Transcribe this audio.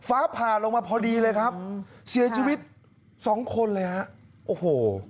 ฟ้าผ่าลงมาพอดีเลยครับเสียชีวิตสองคนเลยฮะโอ้โห